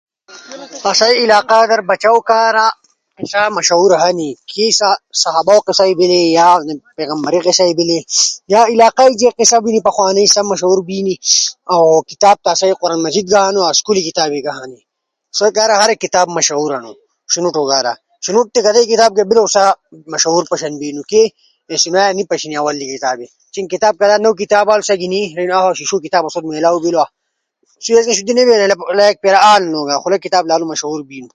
آسئی علاقہ در بچو کارا قصہ مشہور ہنی، صحابہ او قصہ بینی یا پیغمبرے قصہ بینی یا علاقہ ئی سا قصہ بینی پخوانئی سا مشہور بینی۔ کتاب تا آسوئی قران مجید خوش ہنو، اؤ ہورے کتابے ہم ہنی۔ آسو شنوٹی کارا ہر ایک کتاب مشہور ہنو۔ شنوٹے سا کارے کتاب بیلو رزونو کارا مشہور پشن بینو۔ کے! شیشو کتاب آسو میلاؤ بینو۔ خو لا کتاب لالو مشہور بینو۔